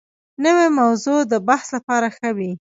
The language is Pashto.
نوې موضوع د بحث لپاره ښه وي